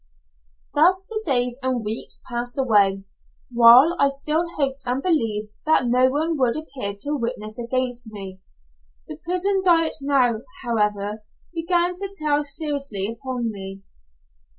Thus the days and weeks passed away, while I still hoped and believed that no one would appear to witness against me. The prison diet now, however, began to tell seriously upon me.